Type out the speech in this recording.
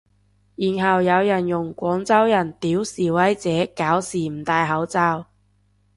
然後有人用廣州人屌示威者搞事唔戴口罩